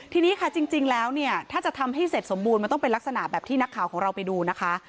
ทีนี้ค่ะจริงแล้วเนี่ยถ้าจะทำให้เสร็จสมบูรณ์มันต้องเป็นลักษณะแบบที่นักข่าวของเราไปดูนะคะ